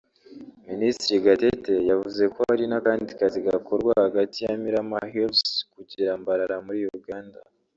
Minisitiri Gatete yavuze ko hari n’akandi kazi gakorwa hagati ya Mirama Hills kugera Mbarara muri Uganda